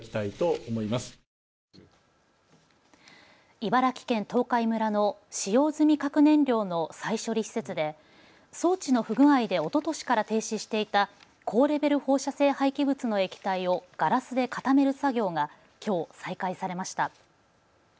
茨城県東海村の使用済み核燃料の再処理施設で装置の不具合でおととしから停止していた高レベル放射性廃棄物の液体をガラスで固める作業がきょう再開されました。